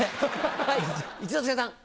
はい一之輔さん。